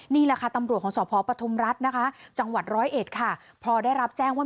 นี่แหละค่ะตำรวจของสพปทุมรัฐนะคะจังหวัดร้อยเอ็ดค่ะพอได้รับแจ้งว่า